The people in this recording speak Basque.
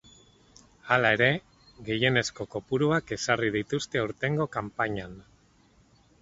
Hala ere, gehienezko kopuruak ezarri dituzte aurtengo kanpainan.